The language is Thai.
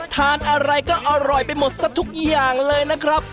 ทานอะไรก็อร่อยไปหมดซะทุกอย่างเลยนะครับ